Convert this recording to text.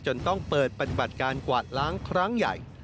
ต้องเปิดปฏิบัติการกวาดล้างครั้งใหญ่